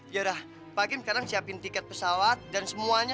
yaudah pak gim sekarang siapin tiket pesawat dan semuanya